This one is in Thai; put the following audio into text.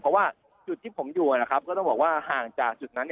เพราะว่าจุดที่ผมอยู่นะครับก็ต้องบอกว่าห่างจากจุดนั้น